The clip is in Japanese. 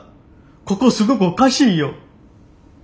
ここすごくおかしいよ。